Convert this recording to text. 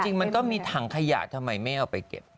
มันก็มีถังขยะทำไมไม่เอาไปเก็บ